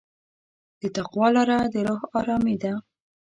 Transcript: د تقوی لاره د روح ارامي ده.